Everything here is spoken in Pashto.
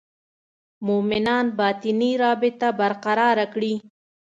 مومنان باطني رابطه برقراره کړي.